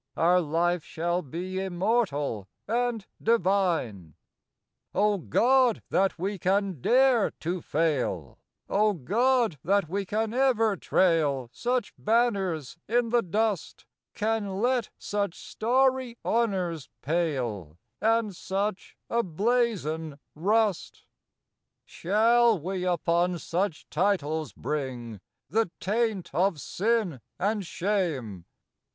Our Life shall be Immortal and divine. O God, that we can dare to fail, O God, that we can ever trail Such banners in the dust, Can let such starry honors pale, And such a Blazon rust! A CHAPLET OF FLOWERS. Shall we upon such Titles bring The taint of sin and shame